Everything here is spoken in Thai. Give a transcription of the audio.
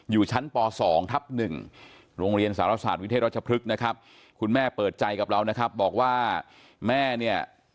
อยู่ชั้นป๒ทับ๑โรงเรียนสารศาสตร์วิเทศรัชพฤกษ์นะครับคุณแม่เปิดใจกับเรานะครับบอกว่าแม่เนี่ย